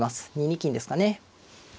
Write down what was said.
２二金ですかね。